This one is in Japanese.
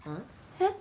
えっ？